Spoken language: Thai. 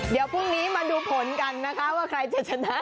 เดี๋ยวพรุ่งนี้มาดูผลกันนะคะว่าใครจะชนะ